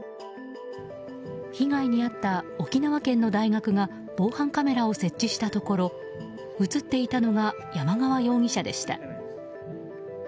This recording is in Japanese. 被害に遭った沖縄県の大学が防犯カメラを設置したところ映っていたのが山川容疑者でした。